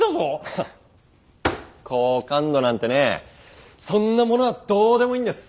ハッ好感度なんてねそんなものはどうでもいいんです。